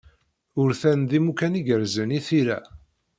Urtan d imukan igerrzen i tira.